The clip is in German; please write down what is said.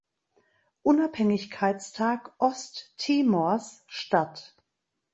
Unabhängigkeitstag Osttimors statt.